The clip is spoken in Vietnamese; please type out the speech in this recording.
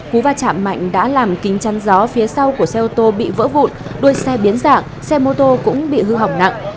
cú va chạm mạnh đã làm kính chăn gió phía sau của xe ô tô bị vỡ vụn đuôi xe biến dạng xe mô tô cũng bị hư hỏng nặng